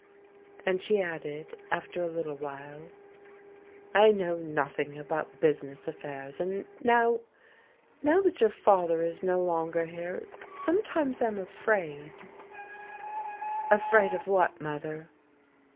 And she added, after a little while, "I know nothing about business affairs, and now now that your father is no longer here, sometimes I'm afraid " "Afraid of what, mother?"